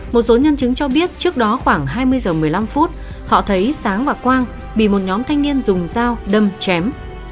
một số nhân chứng cho biết trước đó khoảng hai mươi h một mươi năm phút họ thấy sáng và quang bị một nhóm thanh niên dùng dao đâm chém